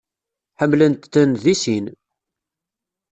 Ḥemmlent-ten deg sin.